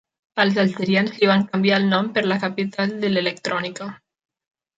Els algerians li van canviar el nom per la Capital de l"electrònica.